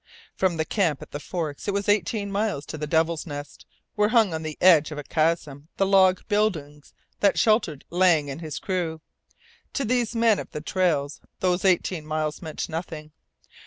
From the camp at the Forks it was eighteen miles to the Devil's Nest, where hung on the edge of a chasm the log buildings that sheltered Lang and his crew. To these men of the trails those eighteen miles meant nothing.